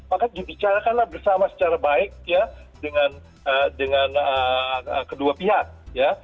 maka dibicarakanlah bersama secara baik ya dengan kedua pihak ya